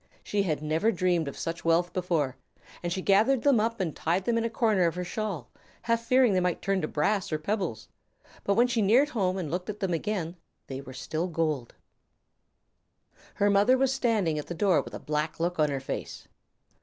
She had never dreamed of such wealth before, and she gathered them up and tied them in the corner of her shawl, half fearing they might turn to brass or pebbles; but when she neared home and looked at them again they were still gold. Her mother was standing at the door with a black look on her face.